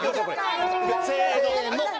せの！